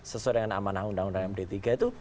sesuai dengan amanah undang undang md tiga itu